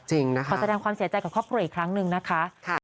จริงนะคะ